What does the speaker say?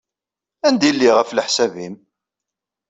Anda ay lliɣ, ɣef leḥsab-nnem?